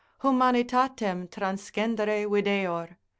humanitatem transcendere videor.